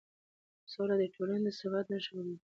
سوله د ټولنې د ثبات نښه بلل کېږي